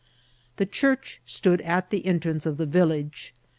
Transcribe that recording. The church stood at the entrance of the village.